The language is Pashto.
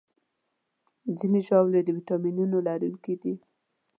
ځینې ژاولې د ویټامینونو لرونکي دي.